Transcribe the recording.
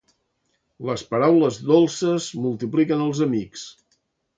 Les paraules dolces multipliquen els amics.